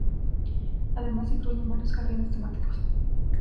Además se incluyen varios jardines temáticos,